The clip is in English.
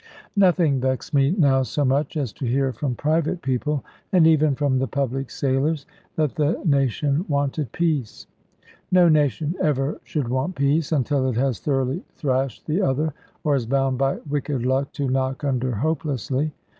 Nothing vexed me now so much as to hear from private people, and even from the public sailors, that the nation wanted peace. No nation ever should want peace, until it has thoroughly thrashed the other, or is bound by wicked luck to knock under hopelessly.